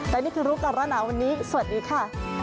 และนี่คือรูปการณาวันนี้สวัสดีค่ะ